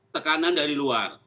tekanan dari luar